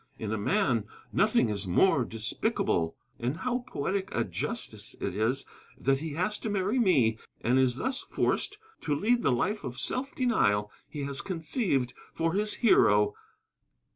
In a man, nothing is more despicable.' And how poetic a justice it is that he has to marry me, and is thus forced to lead the life of self denial he has conceived for his hero.